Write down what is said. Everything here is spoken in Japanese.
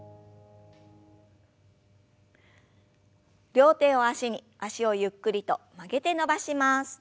両手を脚に脚をゆっくりと曲げて伸ばします。